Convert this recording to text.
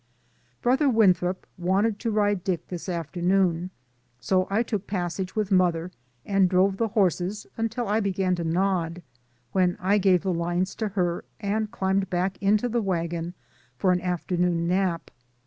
Brother Winthrop wanted to ride Dick this afternoon, so I took passage with mother and drove the horses until I began to nod, when I gave the lines to her and climbed back into the wagon for an afternoon nap.